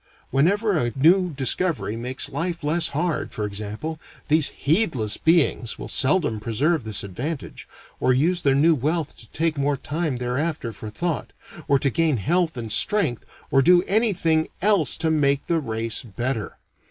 Whenever a new discovery makes life less hard, for example, these heedless beings will seldom preserve this advantage, or use their new wealth to take more time thereafter for thought, or to gain health and strength or do anything else to make the race better.